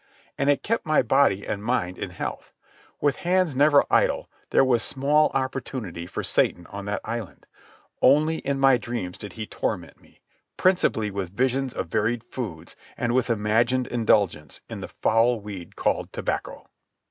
And it kept my body and mind in health. With hands never idle, there was small opportunity for Satan on that island. Only in my dreams did he torment me, principally with visions of varied foods and with imagined indulgence in the foul weed called tobacco.